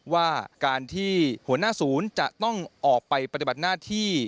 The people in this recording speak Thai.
ว่าการที่หัวหน้าศูนย์จะต้องออกไปปฏิบัติหน้าที่